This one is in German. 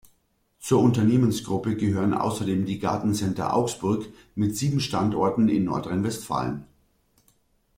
Zur Unternehmensgruppe gehören außerdem die Gartencenter Augsburg mit sieben Standorten in Nordrhein-Westfalen.